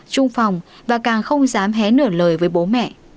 trung phòng và càng không dám hé nửa lời với bố mẹ